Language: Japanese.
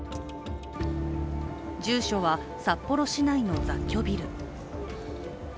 住所は札幌市内の雑居ビル。